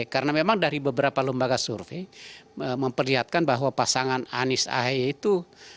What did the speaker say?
karena memang dari beberapa lembaga survei memperlihatkan bahwa pasangan anies ahaye itu